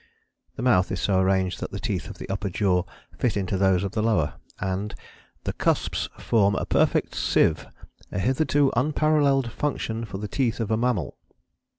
" The mouth is so arranged that the teeth of the upper jaw fit into those of the lower, and "the cusps form a perfect sieve ... a hitherto unparalleled function for the teeth of a mammal."